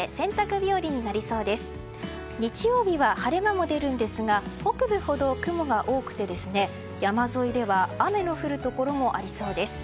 日曜日は晴れ間も出るんですが北部ほど雲が多く山沿いでは雨の降るところもありそうです。